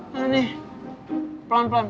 nah nih pelan pelan